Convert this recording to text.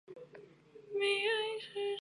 平野神社。